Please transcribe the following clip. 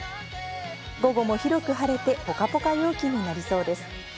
午後も広く晴れてポカポカ陽気になりそうです。